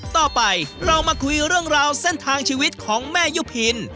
ต่อไปเรามาคุยเรื่องราวเส้นทางชีวิตของแม่ยุพิน